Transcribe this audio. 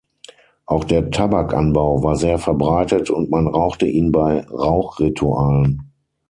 Auch der Tabakanbau war sehr verbreitet und man rauchte ihn bei Rauch-Ritualen.